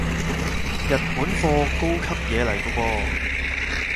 日本貨，高級嘢嚟個噃